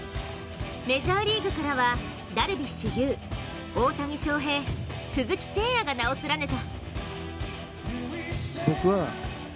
メジャーリーグからはダルビッシュ有、大谷翔平、鈴木誠也が名を連ねた。